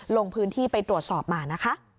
ลงพื้นที่ไปตรวจสอบมานะคะ